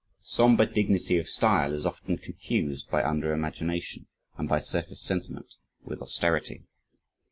A sombre dignity of style is often confused by under imagination and by surface sentiment, with austerity.